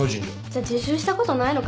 じゃ自習したことないの？